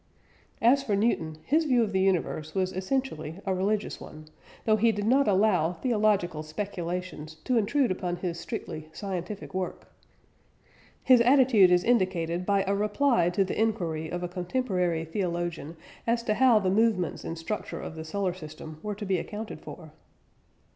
As for Newton, his view of the universe was essentially a religious one, though he did not allow theological speculations to intrude upon his strictly scientific work. His attitude is indicated by a reply to the inquiry of a contemporary theologian as to how the movements and structure of the solar system were to be accounted for.